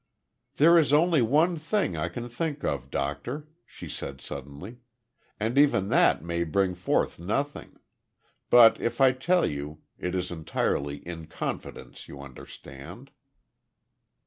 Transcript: "There is only one thing I can think of, doctor," she said suddenly, "and even that may bring forth nothing. But if I tell you, it is entirely in confidence you understand."